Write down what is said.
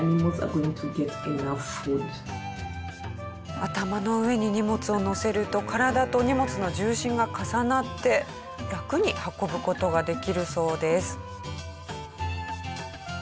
頭の上に荷物を載せると体と荷物の重心が重なって楽に運ぶ事ができるそうです。